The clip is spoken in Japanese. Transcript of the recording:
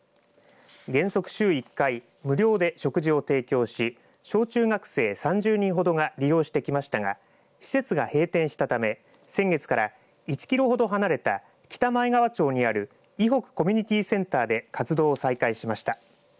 原則週１回無料で食事を提供し小中学生３０人ほどが利用してきましたが施設が閉店したため先月から１キロほど離れた北前川町にある渭北コミュニティセンターで活動を再開しました。